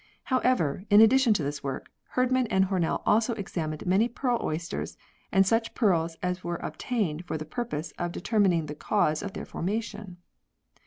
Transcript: However, in addition to this work, Herdman and Hornell also examined many pearl oysters and such pearls as were obtainable for the purpose of deter mining the cause of their formation.